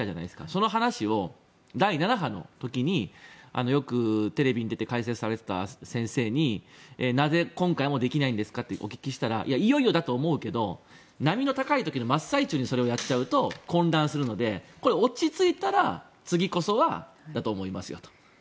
その話を第７波の時によくテレビに出て解説されていた先生になぜ今回もできないんですかとお聞きしたらいよいよだと思うけど波の高い時の真っ最中にそれをやっちゃうと混乱するので落ち着いたら次こそはだと思いますよと。